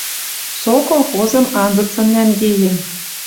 Со колхозым анзыцын нӓнгеен...